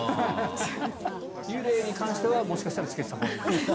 幽霊に関しては、もしかしたらつけていたほうがいい。